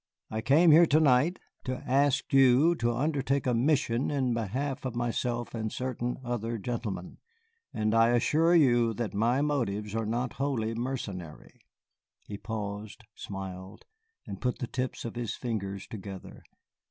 I came here to night to ask you to undertake a mission in behalf of myself and certain other gentlemen, and I assure you that my motives are not wholly mercenary." He paused, smiled, and put the tips of his fingers together.